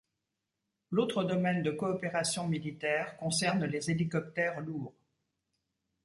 L'autre domaine de coopération militaire concerne les hélicoptères lourds.